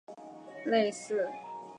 配楼的风格和主楼类似。